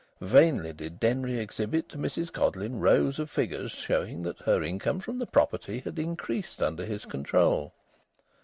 Vainly did Denry exhibit to Mrs Codleyn rows of figures, showing that her income from the property had increased under his control.